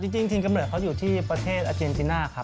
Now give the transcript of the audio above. จริงทีมกำเนิดเขาอยู่ที่ประเทศอาเจนติน่าครับ